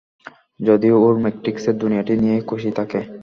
যদি ও ওর ম্যাট্রিক্সের দুনিয়াটা নিয়েই খুশি থাকে?